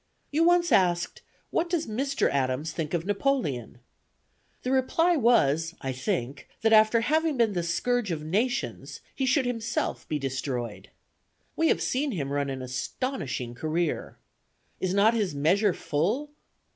"You once asked what does Mr. Adams think of Napoleon? The reply was, I think, that after having been the scourge of nations, he should himself be destroyed. We have seen him run an astonishing career. Is not his measure full?